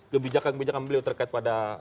kebijakan kebijakan beliau terkait pada